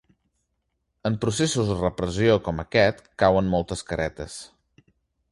En processos de repressió com aquest, cauen moltes caretes.